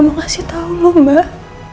mau kasih tau lu mbak